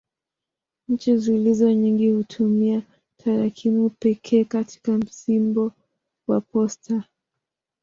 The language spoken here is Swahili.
Nchi zilizo nyingi hutumia tarakimu pekee katika msimbo wa posta.